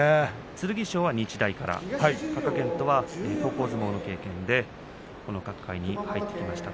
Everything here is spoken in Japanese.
剣翔は日大から貴健斗は高校相撲の経験でこの角界に入ってきました。